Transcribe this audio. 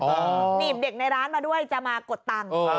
หนีบเด็กในร้านมาด้วยจะมากดตังค์